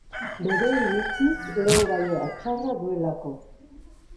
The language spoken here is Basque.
Bere iritziz, lehengai txarra duelako.